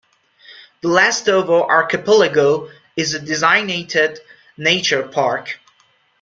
The Lastovo archipelago is a designated nature park.